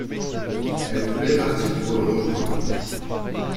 Elle voulait partir pour le rejoindre…